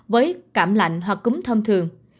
với cảm lạnh hoặc cúm thâm thường